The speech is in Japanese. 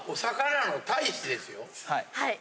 はい。